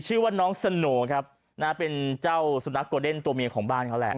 ชื่อว่าน้องระนะฮะเป็นเจ้าตัวเมียของบ้านเขาแหละ